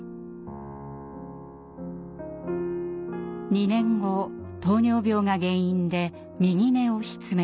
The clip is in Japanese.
２年後糖尿病が原因で右目を失明。